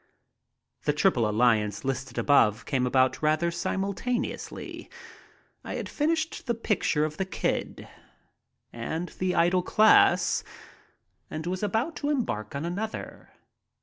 The triple alliance listed above came about rather simul taneously. I had finished the picture of "The Kid" and 2 MY TRIP ABROAD "The Idle Class" and was about to embark on another.